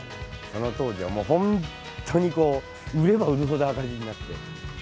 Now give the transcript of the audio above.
その当時はもう本当にこう、売れば売るほど赤字になって。